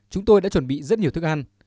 chúng tôi đã chuẩn bị rất nhiều thức ăn